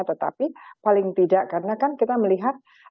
tetapi paling tidak karena kan kita melihat